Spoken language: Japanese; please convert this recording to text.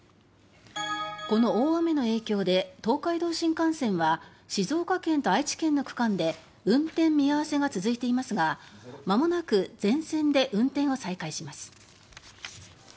この大雨の影響で東海道新幹線は静岡県と愛知県の区間で運転見合わせが続いていますがまもなく全線で運転を再開します。